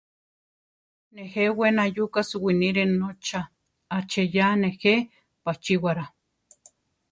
Nejé we nayuka suwinire notza, aacheyá nejé pachíwara.